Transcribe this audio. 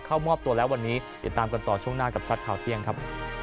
เข้ามอบตัวแล้ววันนี้ติดตามกันต่อช่วงหน้ากับชัดข่าวเที่ยงครับ